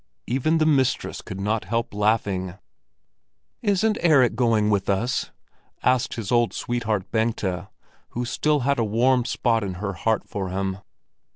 Even the mistress could not help laughing. "Isn't Erik going with us?" asked his old sweetheart Bengta, who still had a warm spot in her heart for him.